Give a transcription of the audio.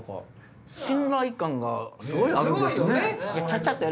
信頼感がすごいあるんですね。